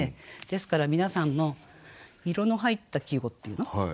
ですから皆さんも色の入った季語っていうの？